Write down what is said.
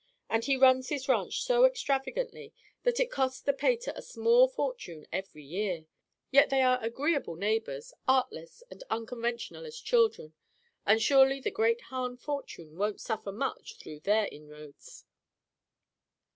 And he runs his ranch so extravagantly that it costs the pater a small fortune every year. Yet they are agreeable neighbors, artless and unconventional as children, and surely the great Hahn fortune won't suffer much through their inroads."